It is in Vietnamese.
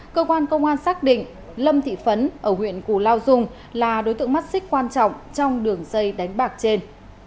cơ quan công an xác định lâm thị phấn ở huyện cù lao dung là đối tượng mắt xích quan trọng trong đường dây đánh bạc trên